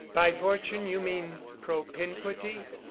"By fortune you mean propinquity?"